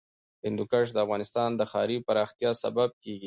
هندوکش د افغانستان د ښاري پراختیا سبب کېږي.